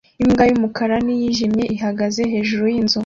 Imbwa y'umukara n'iyijimye ihagaze hejuru y'inzu